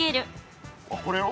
これを？